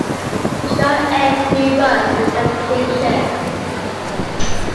The show aired in reruns in syndication.